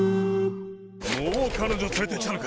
もう彼女連れてきたのか！